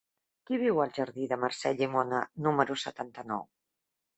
Qui viu al jardí de Mercè Llimona número setanta-nou?